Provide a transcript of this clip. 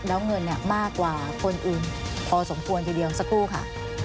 แล้วเงินมากกว่าคนอื่นพอสมควรทีเดียวสักครู่ค่ะ